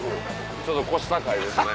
ちょっと腰高いですね。